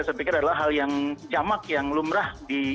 saya pikir adalah hal yang camak yang lumrah